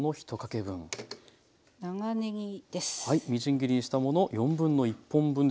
長ねぎです。